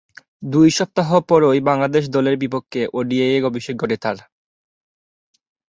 দুই সপ্তাহ পরই বাংলাদেশ দলের বিপক্ষে ওডিআইয়ে অভিষেক ঘটে তার।